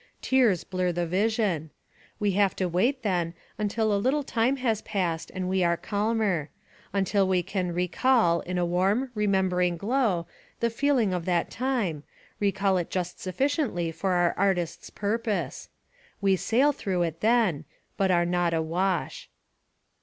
Tears blur the vision. We have to wait, then, until a little time has passed and we are calmer; until we can recall in a warm, remembering glow, the feeling of that time, recall it just sufficiently for our artist's purpose. We sail through it then, but are not awash.